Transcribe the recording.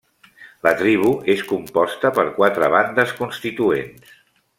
La tribu és composta per quatre bandes constituents.